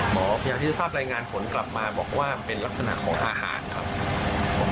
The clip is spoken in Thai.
หมอพยาธิสภาพแรงงานผลกลับมาบอกว่ามันเป็นลักษณะของอาหารครับ